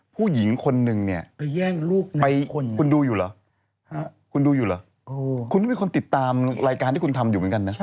ผู้หญิงคนนึงเนี่ยคุณดูอยู่เหรอคุณดูอยู่เหรอคุณไม่มีคนติดตามรายการที่คุณทำอยู่เหมือนกันนะ